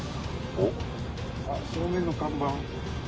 あっ正面の看板。